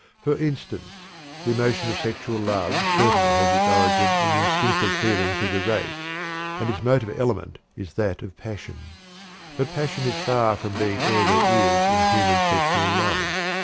For instance, the emotion of sexual love certainly has its origin in the instinctive feelings of the race, and its motive element is that of passion. But passion is far from being all there is in human sexual love.